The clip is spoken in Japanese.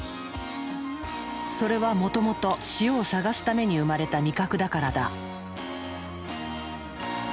それはもともと塩を探すために生まれた味覚だからだ。